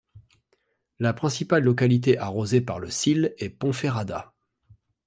La principale localité arrosée par le Sil est Ponferrada.